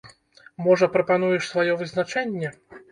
Можа, прапануеш сваё вызначэнне?